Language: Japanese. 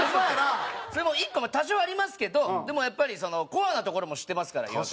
それも１個は多少はありますけどでもやっぱりコアな所も知ってますからイワクラが。